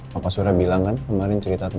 bapak sudah bilang kan kemarin cerita tentang